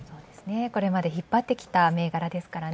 これまで引っ張ってきた銘柄ですからね。